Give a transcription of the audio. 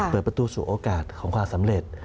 เปิดประตูสู่โอกาสของความสำเร็จ